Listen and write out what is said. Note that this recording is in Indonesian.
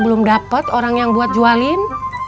belum dapat orang yang buat jualin